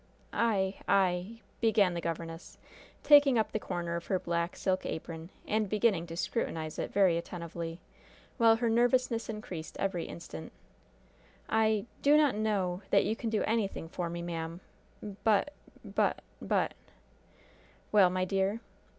"I I " began the governess, taking up the corner of her black, silk apron and beginning to scrutinize it very attentively, while her nervousness increased every instant "I do not know that you can do anything for me, ma'am; but but but " "Well, my dear?"